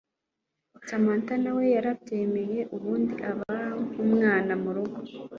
Samantha nawe yarabyemeye ubundi aba nk umwana murugo